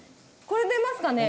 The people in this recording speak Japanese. これ出ますかね？